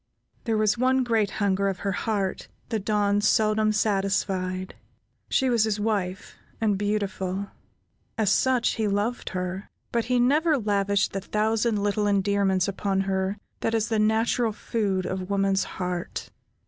There was one great hunger of her heart the Don seldom satisfied. She was his wife, and beautiful; as such, he loved her; but he never lavished the thousand little endearments upon her that is the natural food of woman's heart.